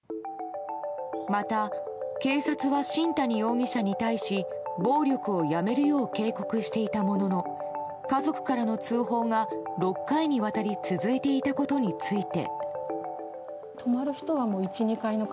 また、警察は新谷容疑者に対し暴力をやめるよう警告していたものの家族からの通報が６回にわたり続いていたことについて。